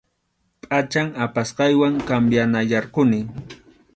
Pʼachan apasqaywan cambianayarquni.